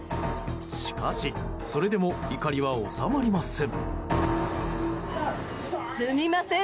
しかし、それでも怒りは収まりません。